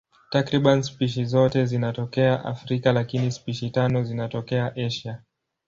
Takriban spishi zote zinatokea Afrika, lakini spishi tano zinatokea Asia.